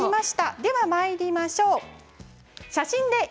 では、まいりましょう。